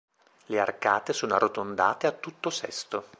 Le arcate sono arrotondate a tutto sesto.